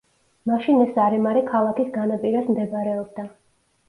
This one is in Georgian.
მაშინ ეს არემარე ქალაქის განაპირას მდებარეობდა.